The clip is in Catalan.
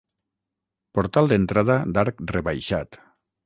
Portal d'entrada d'arc rebaixat.